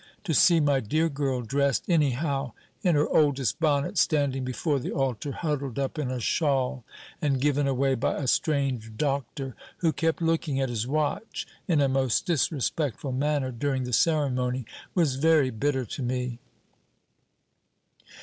To see my dear girl dressed anyhow, in her oldest bonnet, standing before the altar huddled up in a shawl, and given away by a strange doctor, who kept looking at his watch in a most disrespectful manner during the ceremony, was very bitter to me."